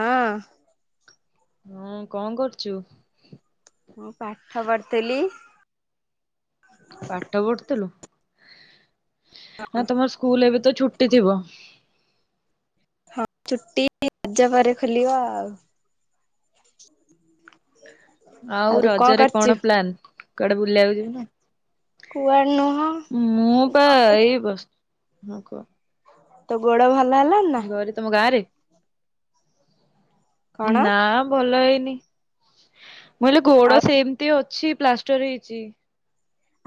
ହଁ। ହୁଁ କଣ କରୁଚୁ? ମୁଁ ପାଠ ପଢୁଥିଲି। ପାଠ ପଢୁଥୁଲୁ ଆ ତମ ସ୍କୁଲ ଏବେ ତ ଛୁଟି ଥିବ। ହଁ ଛୁଟି ରଜ ପରେ ଖୋଲିବ ଆଉ। ଆଉ ରଜରେ କଣ ପ୍ଲାନ କୁଆଡେ ବୁଲିବାକୁ ଯି କୁଆଡେ ନୁହଁ ମୁଁ ପା ଘରେ ଏଇ ବସ ହଁ କୁହ। ତୋ ଗୋଡ ଭଲ ହେଲାଣି ନା? ଘରେ ତମ ଗାଁରେ କଣ ନାମ। ଭଲ ହେଇନି ମୁଇଲି ଗୋଡ ଆଉ ସେମତି ଅଛି ପ୍ଲାଷ୍ଟର ହେଇଚି।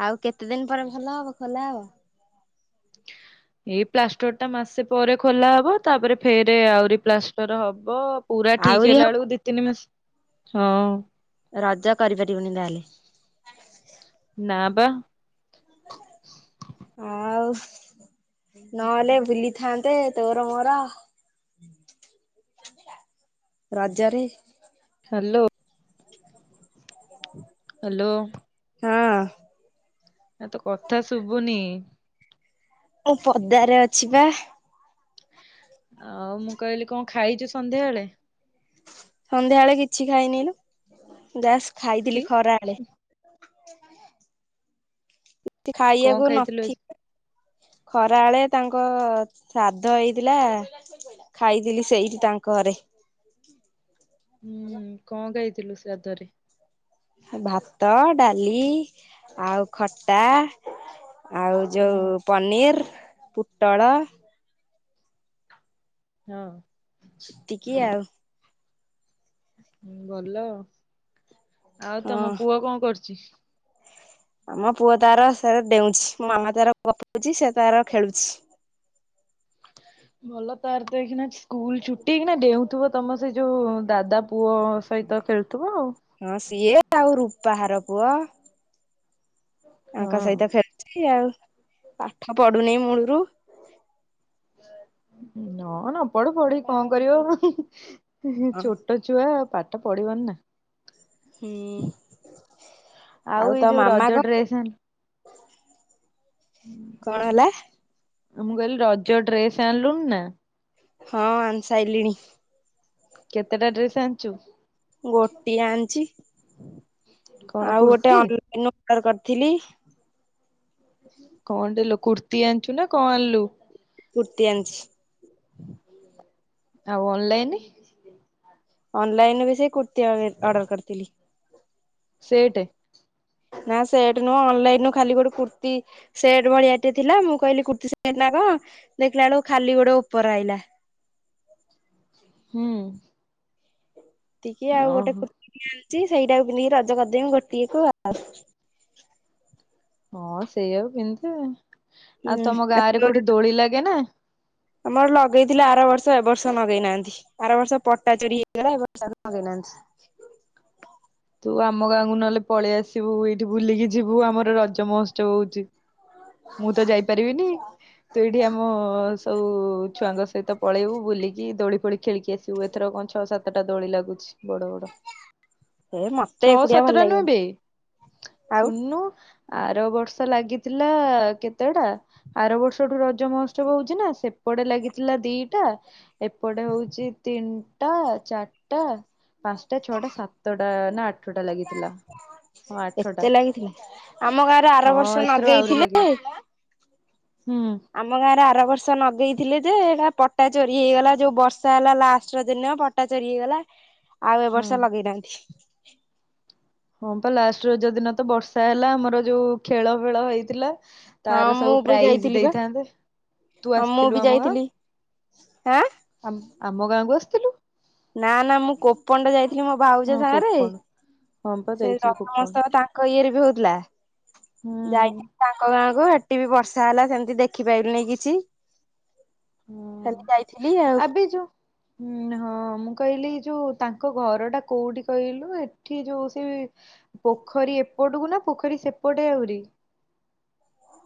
ଆଉ କେତେ ଦିନ ପରେ ଭଲ ହବ ଖୋଲା ହବ? ଏଇ ପ୍ଲାଷ୍ଟର ଟା ମାସେ ପରେ ଖୋଲା ହବ ତାପରେ ଫେର ଆହୁରି ପ୍ଲାଷ୍ଟର ହବ। ପୁରା ଠିକ ଆହୁରି ହେଲା ଏଳକୁ ହବ ଦି ତିନି ମାସ ହଁ। ରଜ କରିପାରିବୁନି ତାହେଲେ। ନା ବା। ହଁ ଆଉ। ନହେଲେ ବୁଲିଥାନ୍ତେ ତୋର ମୋର। ରଜରେ। ହ୍ୟାଲୋ ହ୍ୟାଲୋ ହଁ। ଏ ତ କଥା ଶୁଭୁନି। ମୁଁ ପଦାରେ ଅଛି ବା। ଆଉ ମୁଁ କହିଲି କଣ ଖାଇଛି ସନ୍ଧ୍ୟାବେଳେ? ସନ୍ଧ୍ୟାବେଳେ କିଛି ଖାଇନି ଯାସ କି ଖାଇଥିଲି ଖରାବେଳେ କଣ ଖାଇବାକୁ ନ ଖାଇଥିଲୁ ଆଜି? ଥିଲା ଖରା ବଳେ ତାଙ୍କ ଶାଧ ହେଇଥିଲା। ଖାଇଥିଲି ସେଇଠି ତାଙ୍କ ଘରେ ହୁଁ କଣ ଗାଇଥିଲୁ ସେ ଶାଧରେ? ଭାତ ଡାଲି ଆଉ ଖଟା ଆଉ ହୁଁ ଯୋଉଁ ପନିର ପୋଟଳ ହଁ। ସେତିକି ଆଉ। ଭଲ ଆଉ ହଁ ତମ ପୁଅ କଣ କରୁଛି? ଆମ ପୁଅ ତାର ସେ ଡେଉଛି ମୋ ମାମା ତାର ଗପୁଛି ସେ ତାର ଖେଳୁଛି। ଭଲ ତାର ତ ଏଇକିନା ସ୍କୁଲ ଛୁଟି କିନା ଡେଉଁଥିବ ତମ ସେ ଯୋଉ ଦାଦା ପୁଅ ସହିତ ଖେଳୁଥିବ ଆଉ। ହଁ ସିଏ ଆଉ ରୂପାହାର ପୁଅ। ତାଙ୍କ ଆଉ। ସହିତ ଖେଳୁଛି ଆଉ ପାଠ ପଢୁନି ମୂଳରୁ ନ ନ ପଢୁ ପଢି କଣ କରିବ ହଁ ଛୋଟ ଛୁଆ ପାଠଟା ପଢିବନି ନା। ହୁଁ ଆଉ ଏଇ ତୋ ଯୋଉ ମାମା ରଜ କଣ ଡ୍ରେସ ଆଃ କଣ ହେଲା? ଆ ମୁଁ କହିଲି ରଜ ଡ୍ରେସ ଆଣିଲୁଣିି ନା? ହଁ ଆନ୍ ସାଇଲିଣି। କେତେଟା ଡ୍ରେସ ଆଣିଛୁ। ଗୋଟିଏ ଆଣିଛି କଣ ଆଉ ଗୋଟେ କୁର୍ତ୍ତି ଅନଲାଇନ ଅର୍ଡର କରିଥିଲି। କଣ ଦେଲୁ କୁର୍ତ୍ତି ଆଣିଛୁ ନା କଣ ଆଣିଲୁ? କୂର୍ତ୍ତି ଆଣିଛି। ଆଉ ଅନଲାଇନ। ଅନଲାଇନ୍ ବି ସେ କୁର୍ତ୍ତିୀ ଅର୍ଡର କରିଥିଲି। ସେଟେ। ନାଁ ସେଟେ ନୁହେଁ ଅନଲାଇନ୍ ଖାଲି ଗୋଟେ କୂର୍ତ୍ତୀ ସେଟ୍ ଭଳିଆ ଟେ ଥିଲା ମୁଁ କହିଲି କୁର୍ତ୍ତୀ ସେଟ୍ ନାଁ କଣ ଦେଖିଲା ବେଳକୁ ଖାଲି ଗୋଟେ ଉପର ଆଇଲା। ହୁଁ ଏତିକି ଆଉ ଗୋଟେ ଓହୋ କୁର୍ତ୍ତା କି ଆଣିଚି ସେଇଟା ପିନ୍ଧିକି ରଜ କରିଦେମି ଗୋଟିଏକୁ ଆଉ। ହଁ ସେଇଆକୁ ପିନ୍ଧେ ଆଉ ତମ ଗାଁରେ ହୁଁ। କୋଉଠି ଦୋଳି ଲାଗେ ନାଁ? ଆମର ଲଗେଇଥିଲେ ଆର ବର୍ଷ ଏଇ ବର୍ଷ ଲଗେଇନାହାନ୍ତି। ବାର ବର୍ଷ ପଟା ଚୋରି ହେଇଗଲା ଏବର୍ଷ ଲଗେଇନାହାଁନ୍ତି। ତୁ ଆମ ଗାଁକୁ ନହେଲେ ପଳେଇ ଆସିବୁ ଏଇଠି ବୁଲିକି ଯିବୁ ଆମର ରଜ ମହୋତ୍ସବ ହଉଚି। ମୁଁ ତ ଯାଇପାରିବିନି। ତୁ ଏଇଠି ଆମ ସବୁ ଛୁଆଙ୍କ ସହିତ ପଳେଇବୁ ବୁଲିକି ଦୋଳି ଫୋଳି ଖେଳିକି ଆସିବୁ ଏଥର କଣ ଛଅ ସାତଟା ଦୋଳି ଲାଗୁଛି ବଡ ବଡ। ଏ ମତେ ଛଅ ଏକୁଟିଆ ଭଲ ସାତଟା ନୁହେଁ ଲାଗିବନି ବେ ଆଉ ଶୁଣନୁ। ଆର ବର୍ଷ ଲାଗିଥିଲା କେତେଟା ଆର ବର୍ଷଠୁ ରଜ ମହୋତ୍ସବ ହଉଚି ନାଁ ସେପଟେ ଲାଗିଥିଲା ଦିଟା ଏପଟେ ହଉଚି ତିନିଟା ଚାରିଟା ପାଞ୍ଚଟା ଛଅଟା ସାତ ନାଁ ଆଠଟା ଲାଗିଥିଲା ହଁ ଆଠଟା। ହେଇଥିଲା ଆମ ଗାଁରେ ଆର ହଁ ବର୍ଷ ଏଥର ଆହୁରି ଲଗେଇଥିଲେ। ଲାଗିବ ହୁଁ। ଆମ ଗାଁ ରେ ଆର ବର୍ଷ ନଗେଇଥିଲେ ଯେ ଏରା ପଟା ଚୋରି ହେଇଗଲା ଯୋଉ ବର୍ଷା ହେଲା ଲାଷ୍ଟ୍ ରଜ ଦିନ ପ ପଟା ଚୋରି ହେଇଗଲା। [inaudible] ଆଉ ଏ ବର୍ଷ ଲଗେଇନାହାନ୍ତି। ହଁ ପା ଲାଷ୍ଟ୍ ରଜ ଦିନ ତ ବର୍ଷା ହେଲା ଆମର ଯୋଉ ଖେଳ ଫେଳ ହେଇଥିଲା। ହଁ ତାର ସବୁ ମୁଁ ବି ପ୍ରାଇଜ୍ ଯାଇଥିଲି ବା ଦେଇଥାନ୍ତେ ତୁ ହଁ ମୁଁ ଆସିଥିଲୁ ବି ଆମ ଗାଁ? ଯାଇଥିଲି ଆଁ ଆମ୍ ଆମ ଗାଁକୁ ଆସିଥିଲୁ? ନାଁ ନାଁ ମୁଁ କୋପଣ୍ଡ ଯାଇଥିଲି ମୋ ଭାଉଜ ହଁ ସାଙ୍ଗରେ କୋପଣ ହଁ ପା ସେ ଯାଇଥିଲୁ କୋପଣ ରଙ୍ଗମହୋତ୍ସବ ତା ତାଙ୍କ ଇଏରେ ବି ହଉଥିଲା ହୁଁ ଯାଇଥିଲି ତାଙ୍କ ଗାଁକୁ ହେ ଏଠି ବି ବର୍ଷା ହେଲା ସେମିତି ଦେଖିପାରିଲୁନି କିଛି ହୁଁ ଖାଲି ଯାଇଥିଲି ଆଉ। ଆବେ ଯୋଉ ହୁଁ ହ। ହଁ ମୁଁ କହିଲି ଯୋଉ ତାଙ୍କ ଘର ଟା କୋଉଠି କହିଲୁ ଏଠି ଯୋଉ ସେ ପୋଖରୀ ଏପଟକୁ ନାଁ ପୋଖରୀ ସେପଟେ ଆହୁରି।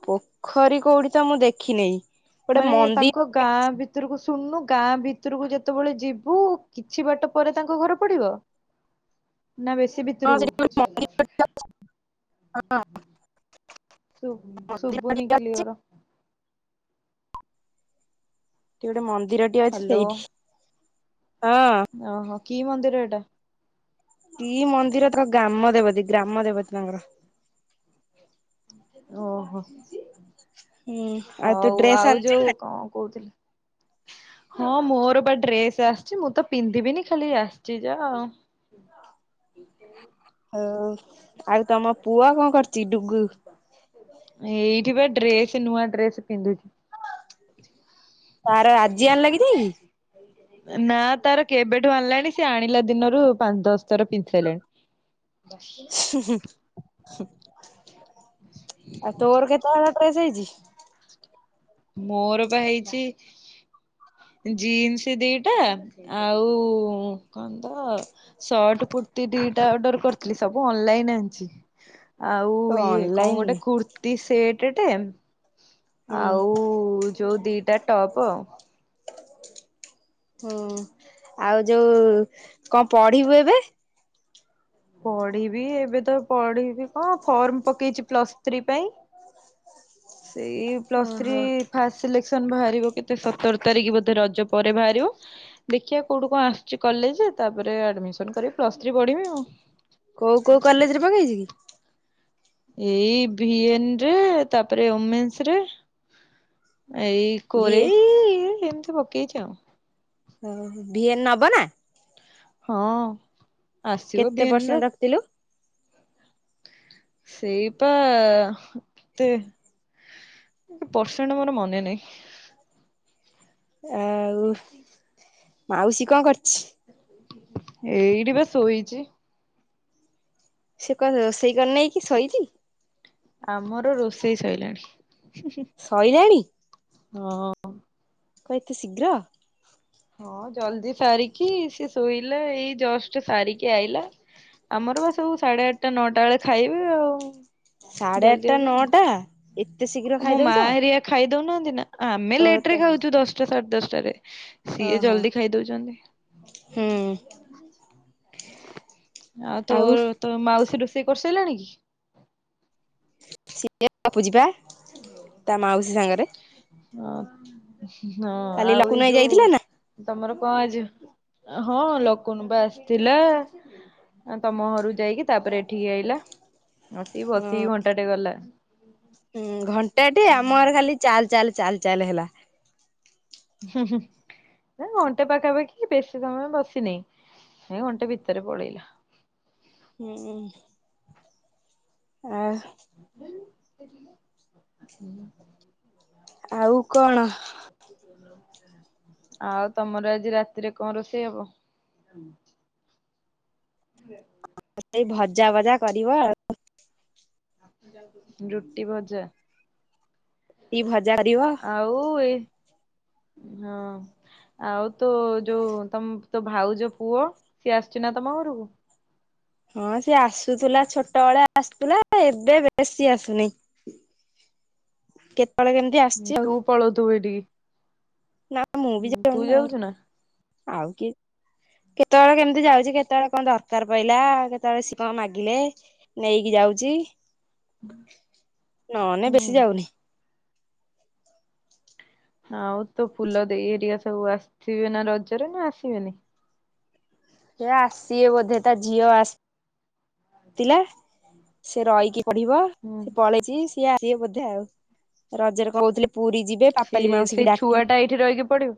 ପୋଖରୀ କୋଉଠି ତ ମୁଁ ଦେଖିନେଇ। ଗୋଟେ ମାନେ ତାଙ୍କ ମନ୍ଦିର ଗାଁ ଅଛି ଭି ଭିତରକୁ ଶୁଣନୁ ଗାଁ ଭିତରକୁ ଯେତେବେଳେ ଯିବୁ କିଛି ବାଟ ପରେ ତାଙ୍କ ଘର ପଡିବ। ନାଁ ବେସି ବି ହଁ ତ୍ରୁ ସେଠି ଗୋଟେ ମନ୍ଦିର ଅଛି ସେଠି ସୁବ୍ ସୁବୁନି କ୍ଲିୟର। ସେଇଠି ଗୋଟେ ମନ୍ଦିରଟି ଅଛି ହ୍ୟାଲୋ ସେଇଠି। ହଁ ଓହୋ କି ମନ୍ଦିର ଏଟା? କି ମନ୍ଦିର ତାଙ୍କ ଗ୍ରାମ ଦେବତୀ ଗ୍ରାମ ଦେବତୀ ତାଙ୍କର। ଓହୋ। ହୁଁ ଆଉ ତୁ ହଉ ଡ୍ରେସ ଆଉ ଆଣିଛୁ ଯୋଉ ନା କଣ କହୁଥିଲି। ହଁ ମୋର ବା ଡ୍ରେସ୍ ଆସିଚି ମୁଁ ତ ପିନ୍ଧିବିନି ଖାଲି ଆସିଚି ଯା ଆଉ। ହଉ ଆଉ ତମ ପୁଅ କଣ କରୁଚି ଡୁଗୁ? ଏଇଠି ବା ଡ୍ରେସ ନୂଆ ଡ୍ରେସ୍ ପିନ୍ଧୁଚି। ତାର ଆଜି ଆଣିଲା ଦେଇ। ନା ତାର କେବେଠୁ ଆଣିଲାଣି ସେ ଆଣିଲା ଦିନରୁ ପାଞ୍ଚ ଦଶ ଥର ପିନ୍ଧି ସାରିଲାଣି। [unintelligible] ଆଉ ତୋର କେତେ ହଳ ଡ୍ରେସ ହେଇଚି? ମୋର ବା ହେଇଚି ଜିନ୍ସ ଦିଟା ଆଉ କଣତ ସର୍ଟ କୁର୍ତ୍ତି ଦିଟା ଅର୍ଡର କରିଥିଲି ସବୁ ଅନଲାଇନ୍ ଆଣିଚି। ଆଉ ଇଏ କଣ ଅନଲାଇନରେ ଗୋଟେ କୁର୍ତିୀ ସେଟ୍ ଟେ ହୁଁ ଆଉ ଯୋଉ ଦିଟା ଟପ୍ ଆଉ। ହୁଁ ଆଉ ଯୋଉ କଣ ପଢିବୁ ଏବେ? ପଢିବି ଏବେ ତ ପଢିବି କଣ ଫର୍ମ ପକେଇଚି ପ୍ଲସଟୁ। ଥ୍ରୀ ପାଇଁ ସେଇ ପ୍ଲସ୍ ଥ୍ରୀ ଓହୋ ଫାଷ୍ଟ ସିଲେକ୍ସନ ବାହାରିବ କେତେ ସତର ତାରିଖ ବୋଧେ ରଜ ପରେ ବାହାରିବ। ଦେଖିବା କୋଉଠୁ କଣ ଆସିୁଚି କଲେଜ ତାପରେ ଆଡମିସନ କରିବି ପ୍ଲସ୍ ଥ୍ରୀ ପଢିବି ଆଉ। କୋଉ କୋଉ କଲେଜ ରେ ପକେଇଚି କି? ଏଇ ଭିଏନ୍ ରେ ତାପରେ ଓମେସ୍ ରେ ଏଇ ଭିଏ କୋରେଇ ଏଇ ଏମିତି ପକେଇଚି ଆଉ। ଓ ଭିଏନ୍ ନବ ନା? ହଁ। ଆସିବ କେତେ ଭିଏନ ର ପରସେଣ୍ଟ ରଖିଥିଲୁ? ସେଇପା କେତେ ପାର୍ଡସେଣ୍ଟ ମୋର ମନେ ନାହିଁ। ଆଉ ମାଉଷୀ କଣ କରଚି? ଏଇଠି ବା ଶୋଇଚି। ସେ କଣ ରୋଷେଇ କରିନେଇଁ କି ଶୋଇଚି? ଆମର ରୋଷେଇ ସଇଲାଣି। ସଇଲାଣି? ହଁ। କଣ ଏତେ ଶୀଘ୍ର? ହଁ ଜଲଦି ସାରିକି ସେ ଶୋଇଲା ଏଇ ଜଷ୍ଟ୍ ସାରିକି ଆଇଲା। ଆମର ପା ସବୁ ସାଢେ ଆଠଟା ନଅଟା ବେଳେ ଖାଇବେ ଆଉ ସାଢେ ଆଠଟା ଜଲଦି ହବନି। ନଅଟା ଏତେ ଶୀଘ୍ର ମୋ ମା ଖାଇଦଉଛ? ହେରିଆ ଖାଇ ଦଉନାହାନ୍ତି ନା ଆମେ ଓ ଲେଟ୍ ରେ ତମ ଖାଉଚୁ ଦଶଟା ସାଢେ ଦଶଟାରେ। ସିଏ ଓହୋ ଜଲ୍ଦି ଖାଇ ଦଉଚନ୍ତି। ହୁଁ। ଆଉ ତୋର ତୋ ମାଉସୀ ରୋଷେଇ କରିସାରିଲାଣି କି? ସିଏ ଗପୁଚି ପା ତା ମାଉସି ସାଙ୍ଗରେ। ହଁ ହଁ କାଲି ଆଉ ଏ ଲକୁନୁ ଭାଇ ଯୋଉ ଯାଇଥିଲା ନା ତମର କଣ ଆଜି ହଁ ଲୋକନୁ ପା ଆସିଥିଲା। ଆ ତମ ଘରୁ ଯାଇକି ତାପରେ ଏଠିକି ଆଇଲା ଆସିକି ହଁ ବସିକି ଘଣ୍ଟାଟେ ଗଲା। ହୁଁ ଘଣ୍ଟା ଟେ ଆମଘରେ ଖାଲି ଚାଲ୍ ଚାଲ୍ ଚାଲ୍ ଚାଲ ହେଲା। ହୁଁ ହୁଁ। ଏଁ ଘଣ୍ଟେ ପାଖାପାଖି ବେଶୀ ସମୟ ବସିନି ଏଁ ଘଣ୍ଟେ ଭିତରେ ପଳେଇଲା। ହୁଁ ଆ ଆଉ କଣ? ଆଉ ତମର ଆଜି ରାତିରେ କଣ ରୋଷେଇ ହବ? ଏଇ ଭଜା ଭଜା କରିବ। ରୁଟି ଭଜା କି ଭଜା କରିବ ଆ ଆଉ ଏ ହଁ। ଆଉ ତୋ ଯୋଉ ତମ ତୋ ଭାଉଜ ପୁଅ ସେ ଆସୁଛି ନା ତମ ଘରକୁ? ହଁ ସିଏ ଆସୁଥିଲା ଛୋଟ ବଳେ ଆସୁଥିଲା ଏବେ ବେଶୀ ଆସୁନି। କେତେବେଳେ କେ ହୁଁ ତୁ ପଳଉ ଥିବୁ ଏଠିକି। ନା ମୁଁ ବିି ଯାଉନି ତାଙ୍କ ଘରକୁ ଆଉ କିଏ। କେତେବେଳେ କେମିତି ଯାଉଛି କେତେବେଳେ କଣ ଦରକାର୍ ପଇଲା କେତେବେଳେ ସିଏ କଣ ମାଗିଲେ। ନେଇକି ଯାଉଛି ନନେ ହୁଁ ବେଶୀ ଯାଉନି। ଆଉ ତୋ ଫୁଲ ଦେଇ ହେରିକା ସବୁ ଆସିବେ ନା ରଜରେ ନା ଆସିବେନି? ସେ ଆସିବେ ବୋଧେ ତା ଝିଅ ଆସ୍ ଥିଲା ସେ ରହିକି ପଢିବ ହୁଁ ସେ ପଳେଇ ଚି ସିଏ ଆସିବେ ବୋଧେ ଆଉ ରଜରେ କହୁଥିଲେ ପୁରୀ ଯିବେ। ପାପାଲି ସିଏ ମାଉସୀ କି ସେଇ ଡାକି ଛୁଆ ଟା ଏଇଠି ରହିକି ପଢ଼ିବ?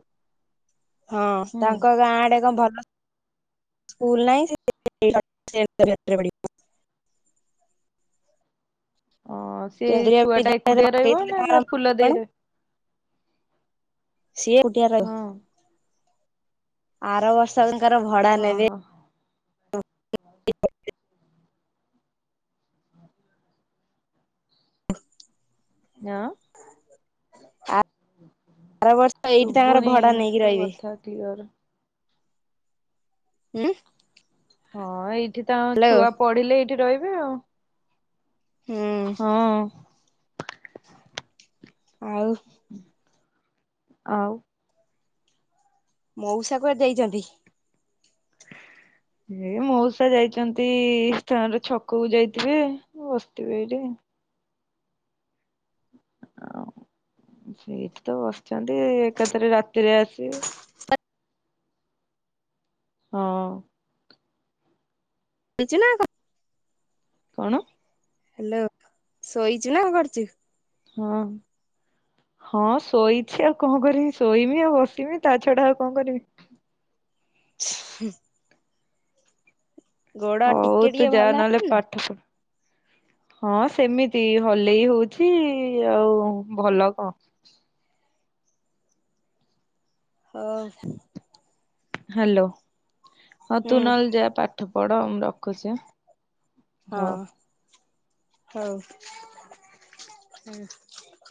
ହଁ ତାଙ୍କ ଗାଁ ଆଡେ କଣ ଭଲ। ସ୍କୁଲ୍ ନାହିଁ ସେ [inaudible] ଅ ସେ କେନ୍ଦ୍ରୀୟ ଛୁଆ ଟା ବିଦ୍ୟାଳୟରେ ଏକୁଟିଆ ରହିବ ପକେଇଥିଲେ ନା ତା ତାଙ୍କର ଫୁଲ କଣ ଦେଇ ର ସିଏ ଏକୁଟିଆ ରହିବ। ହଁ ଆର ବର୍ଷ ତାଙ୍କର ଭଡା ହଁ ନେବେ। ହଁ। ନ। ଆର ବର୍ଷ ଏଇଠି ତାଙ୍କର ଭଡା ନେଇକି ରହିବେ। ଟିଅର। ଉଁ। ହଁ ଏଇଠି ତାଙ୍କ ଛୁଆ ପଢିଲେ ଏଇଠି ରହିବେ ଆଉ। ହୁଁ ହଁ। ଆଉ। ଉଁ ଆଉ। ମଉସା କୁଆଡ଼େ ଯାଇଛନ୍ତି? ଏଇ ମଉସା ଯାଇଛନ୍ତି ତାଙ୍କର ଛକକୁ ଯାଇଥିବେ ବସିଥିବେ ଏଇଠି। ଆଉ ସେଇଠି ତ ବସିଛନ୍ତି ଏକାଥରେ ରାତିରେ ଆସିିବେ। ହ ହଁ। ଚିନା କ କଣ? ହାଲୋ। ଶୋଇଛୁ ନା କଣ କରୁଛୁ? ହଁ। ହଁ ଶୋଇଛି ଆଉ କଣ କରିବି ଶୋଇମି ଆଉ ବସିମି ତା ଛଡା ଆଉ କଣ କରିବି। ହୁଁ। ଗୋଡ ହଉ ଟିକେ ତୁ ଟିକେ ଯା ଭଲ ନହେଲେ ପାଠ ପ ହଁ ସେମିତି ହଲେଇ ହଉଛି ଆଉ ଭଲ କଣ। ହଉ। ହ୍ୟାଲୋ ହଁ ହୁଁ ତୁ ନହଲେ ଯା ପାଠ ପଢ ମୁ ରଖୁଛ ଆଁ? ହଉ। ହଁ ହଉ ହୁଁ।